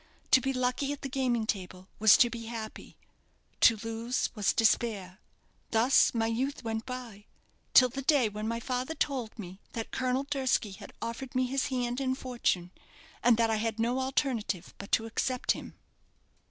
To be lucky at the gaming table was to be happy; to lose was despair. Thus my youth went by, till the day when my father told me that Colonel Durski had offered me his hand and fortune, and that I had no alternative but to accept him."